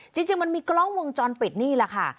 จริงมันมีกล้องวงจรปิดนี่แหละค่ะ